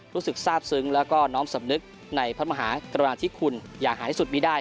รู้สึกทราบซึ้งแล้วก็น้อมสำนึกในพระมหากรณาธิคุณอย่างหาที่สุดมีได้